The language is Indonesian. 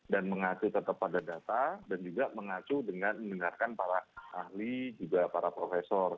dan mengacu tetap pada data dan juga mengacu dengan mendengarkan para ahli juga para profesor